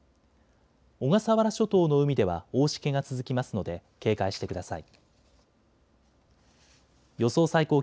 小笠原諸島の海では大しけが続きますので警戒してください。